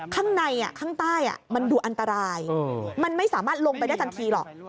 ข้างในข้างใต้มันดูอันตรายมันไม่สามารถลงไปได้ทันทีหรอก